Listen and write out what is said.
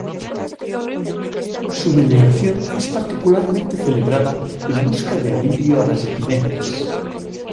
Su veneración es particularmente celebrada en busca de alivio a las epidemias.